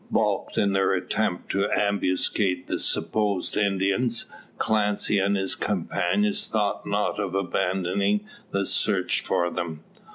Baulked in their attempt to ambuscade the supposed Indians, Clancy and his companions thought not of abandoning the search for them.